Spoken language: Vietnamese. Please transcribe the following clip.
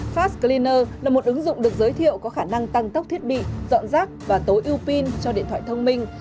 fas cliner là một ứng dụng được giới thiệu có khả năng tăng tốc thiết bị dọn rác và tối ưu pin cho điện thoại thông minh